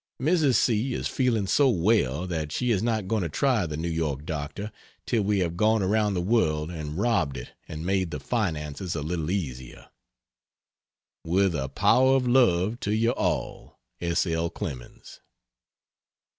Mrs. C. is feeling so well that she is not going to try the New York doctor till we have gone around the world and robbed it and made the finances a little easier. With a power of love to you all, S. L. CLEMENS.